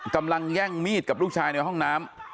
กำลังแย่งมีดกับลูกชายในห้องน้ำ